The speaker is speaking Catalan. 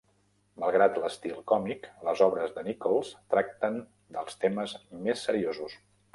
Malgrat l'estil còmic, les obres de Nichols tracten dels temes més seriosos.